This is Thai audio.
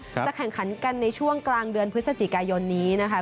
จะแข่งขันกันในช่วงกลางเดือนพฤศจิกายนนี้นะคะ